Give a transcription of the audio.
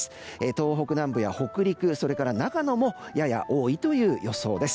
東北南部や北陸、それから長野もやや多いという予想です。